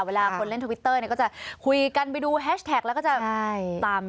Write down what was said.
เวลาคนเล่นทวิตเตอร์เนี่ยก็จะคุยกันไปดูแฮชแท็กแล้วก็จะตาม